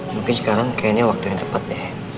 mungkin sekarang kayaknya waktu yang tepat deh